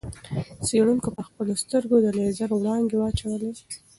څېړونکو پر خپلو سترګو د لېزر وړانګې واچولې.